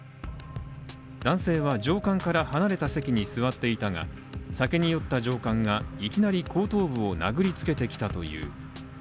男性は上官から離れた席に座っていたが、酒に酔った上官がいきなり後頭部を殴りつけてきたという。